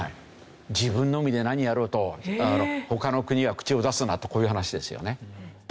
自分の海で何やろうと他の国は口を出すなとこういう話ですよね。